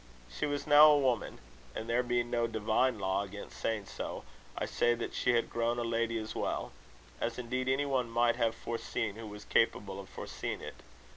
She was now a woman; and, there being no divine law against saying so, I say that she had grown a lady as well; as indeed any one might have foreseen who was capable of foreseeing it.